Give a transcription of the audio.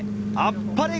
あっぱれ！